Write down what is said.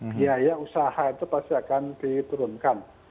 biaya usaha itu pasti akan diturunkan